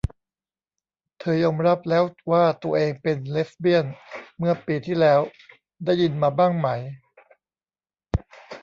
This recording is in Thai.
เธอยอมรับแล้วว่าตัวเองเป็นเลสเบียนเมื่อปีที่แล้ว ได้ยินมาบ้างไหม ?